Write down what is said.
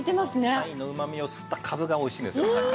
鯛のうまみを吸ったかぶがおいしいんですよね。